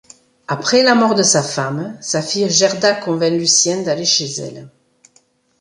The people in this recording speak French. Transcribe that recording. Après la mort de sa femme, sa fille Gerda convainc Lucien d’aller chez elle.